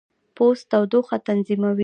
پوست تودوخه تنظیموي.